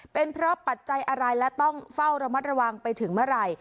เป็นเพราะปัจจัยอะไรและต้องเฝ้าระมัดระวังไปถึงเมื่อไหร่